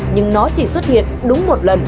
nhưng nó chỉ xuất hiện đúng một lần